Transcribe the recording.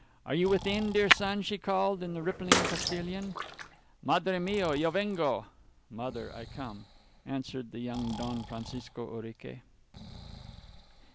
"Are you within, dear son?" she called, in the rippling Castilian. "Madre mia, yo vengo [mother, I come]," answered the young Don Francisco Urique.